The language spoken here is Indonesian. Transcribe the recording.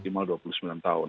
minimal dua puluh sembilan tahun